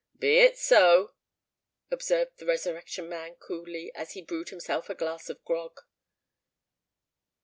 "Be it so," observed the Resurrection Man, coolly, as he brewed himself a glass of grog.